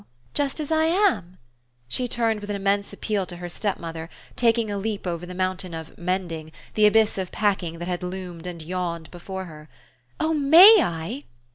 "Now just as I am?" She turned with an immense appeal to her stepmother, taking a leap over the mountain of "mending," the abyss of packing that had loomed and yawned before her. "Oh MAY I?"